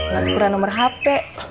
gak tukeran nomer hp